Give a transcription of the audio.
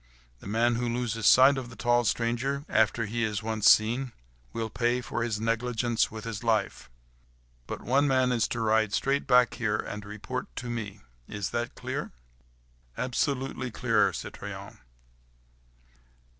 The man who loses sight of the tall stranger, after he is once seen, will pay for his negligence with his life; but one man is to ride straight back here and report to me. Is that clear?" "Absolutely clear, citoyen."